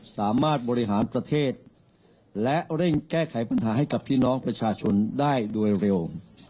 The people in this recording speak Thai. สามารถบริหารประเทศและเร่งแก้ไขปัญหาให้กับพี่น้องประชาชนได้โดยเร็ว